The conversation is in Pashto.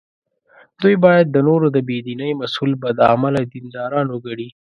دوی باید د نورو د بې دینۍ مسوول بد عمله دینداران وګڼي.